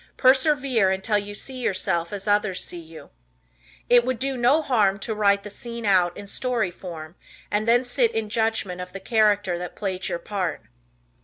Persevere until you see yourself as others see you. It would do no harm to write the scene out in story form and then sit in judgment of the character that played your part.